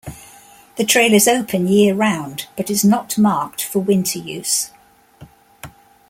The trail is open year-round, but is not marked for winter use.